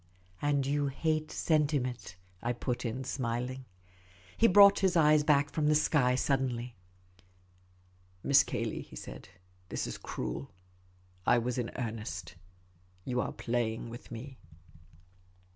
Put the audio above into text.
" And j'ou hate sentiment !" I put in, smiling. He brought his eyes back from the sky suddenly. " Miss Cayley," he said, " this is cruel. I was in earnest. You are playing with me."